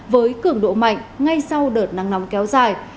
với cường độ mạnh ngay sau đợt nắng nóng kéo dài